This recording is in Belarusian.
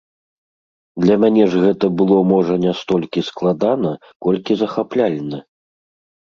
Для мяне ж гэта было, можа, не столькі складана, колькі захапляльна.